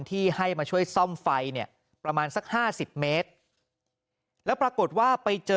ที่ให้มาช่วยซ่อมไฟเนี่ยประมาณสักห้าสิบเมตรแล้วปรากฏว่าไปเจอ